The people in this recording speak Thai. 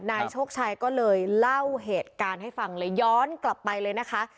นายโชคชัยก็เลยเล่าเหตุการณ์ให้ฟังเลยย้อนกลับไปเลยนะคะ